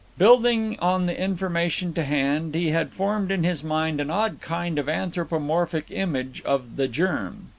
Building on the information to hand, he had formed in his mind an odd kind of anthropomorphic image of the germ.